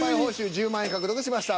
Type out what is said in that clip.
１０万円獲得しました。